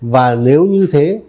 và nếu như thế